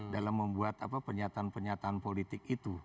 dalam membuat pernyataan pernyataan politik itu